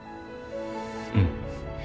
うん。